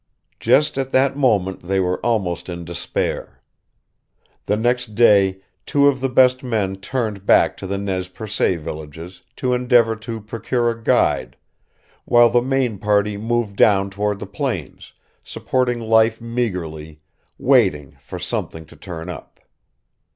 Just at that moment they were almost in despair. The next day two of the best men turned back to the Nez Percé villages, to endeavor to procure a guide, while the main party moved down toward the plains, supporting life meagrely, waiting for something to turn up.